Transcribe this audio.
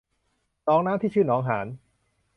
หนองน้ำที่ชื่อหนองหาน